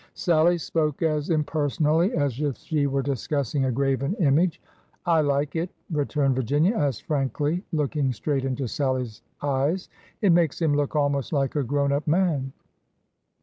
Sallie spoke as impersonally as if she were discussing a graven image. " I like it," returned Virginia, as frankly, looking straight into Sallie's eyes. " It makes him look almost like a grown up man."